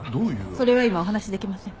それは今お話しできません。